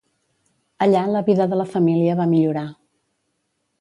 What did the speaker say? Allà, la vida de la família va millorar.